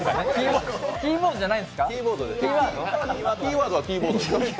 キーボードじゃないんですか、キーワード？